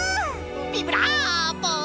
ビブラーボ！